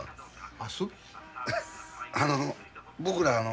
あの僕ら